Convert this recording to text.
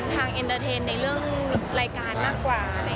ทางช่วยท่องอนุญาตในเรื่องรายการมากกว่า